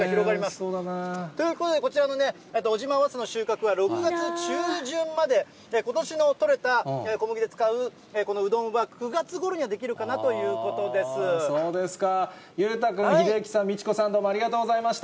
おいしそうだな。ということで、こちらの尾島早生の収穫は６月中旬まで、ことしの取れた小麦で使うこのうどんは９月ごろには出来るかなとそうですか、裕太君、秀行さん、道子さん、どうもありがとうございました。